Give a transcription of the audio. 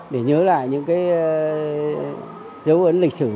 để nhớ lại những dấu ấn lịch sử